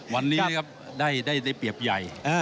วันนี้ครับได้เปรียบใหญ่